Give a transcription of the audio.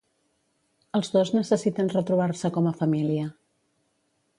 Els dos necessiten retrobar-se com a família.